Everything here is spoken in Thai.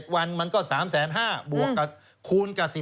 ๗วันมันก็๓๕๐๐๐๐บวกคูณกับ๑๘ที่